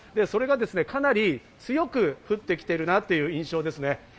それがかなり強く降ってきているなという印象です。